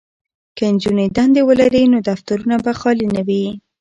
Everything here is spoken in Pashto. که نجونې دندې ولري نو دفترونه به خالي نه وي.